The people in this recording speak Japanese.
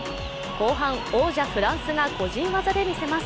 後半、王者フランスが個人技で見せます。